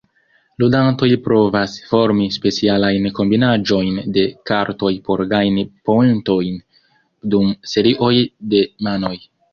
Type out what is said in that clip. Ludantoj provas formi specialajn kombinaĵojn de kartoj por gajni poentojn dum serioj de manoj.